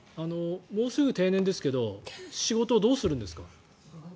もうすぐ定年ですけど仕事どうするんですか？